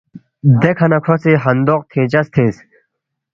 “ دیکھہ نہ کھو سی ہندوق تِھنگچس تِھنگس